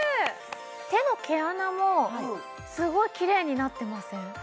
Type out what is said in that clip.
手の毛穴もすごいキレイになってません？